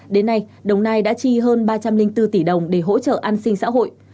đến nay đồng nai đã chi hơn ba trăm linh bốn tỷ đồng để hỗ trợ an sinh xã hội